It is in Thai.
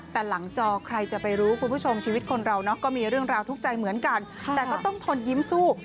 แต่หลังจอใครจะไปรู้คุณผู้ชมชีวิตคนเราเนอะก็มีเรื่องราวทุกข์ใจเหมือนกันแต่ก็ต้องทนยิ้มสู้